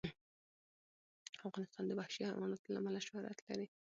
افغانستان د وحشي حیواناتو له امله شهرت لري.